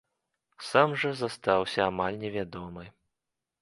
Сам жа застаўся амаль невядомы.